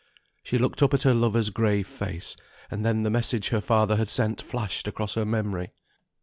She looked up at her lover's grave face; and then the message her father had sent flashed across her memory.